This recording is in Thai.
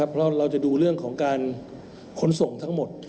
เพราะเราจะดูเรื่องของการขนส่งทั้งหมด